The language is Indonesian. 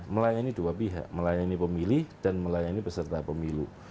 melayani dua pihak melayani pemilih dan melayani peserta pemilu